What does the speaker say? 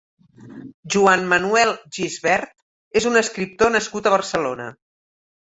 Joan Manuel Gisbert és un escriptor nascut a Barcelona.